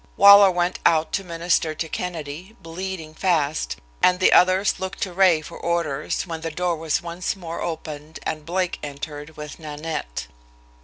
Waller went out to minister to Kennedy, bleeding fast, and the others looked to Ray for orders when the door was once more opened and Blake entered with Nanette.